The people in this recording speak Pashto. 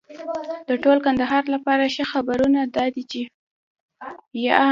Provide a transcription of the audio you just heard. د ټول کندهار لپاره ښه خبرونه دا دي چې